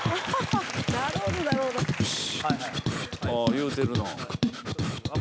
言うてるなぁ。